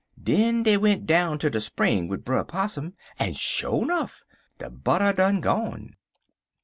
Den dey went down ter de spring wid Brer Possum, en sho nuff de butter done gone.